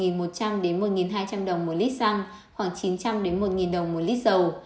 giá xăng dầu tăng đến một hai trăm linh đồng một lít xăng khoảng chín trăm linh một đồng một lít dầu